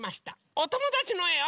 おともだちのえを。